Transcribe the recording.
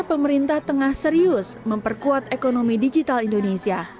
pemerintah tengah serius memperkuat ekonomi digital indonesia